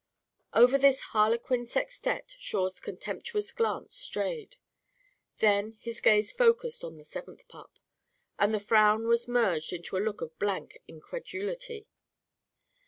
Over this harlequin sextette Shawe's contemptuous glance strayed. Then his gaze focused on the seventh pup. And the frown was merged into a look of blank incredulity.